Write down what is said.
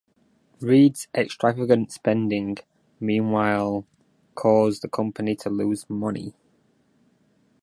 Reid's extravagant spending, meanwhile, caused the company to lose money.